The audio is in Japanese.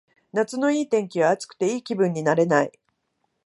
夏のいい天気は暑くていい気分になれない